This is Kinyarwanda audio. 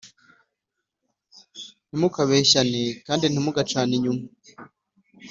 ntimukabeshyane kandi ntimugacane inyuma: